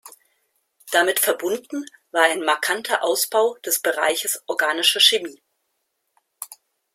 Damit verbunden war ein markanter Ausbau des Bereiches organische Chemie.